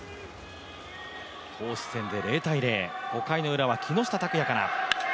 投手戦で０−０５回のウラは木下拓哉から。